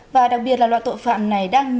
và đặc biệt là loại tội phạm này đang ngày càng